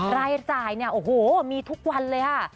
รายจ่ายเนี่ยโอ้โหมีทุกวันเลยค่ะ